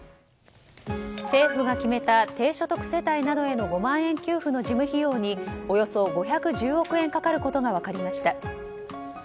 政府が決めた低所得世帯などへの５万円給付の事務費用におよそ５１０億円かかることが分かりました。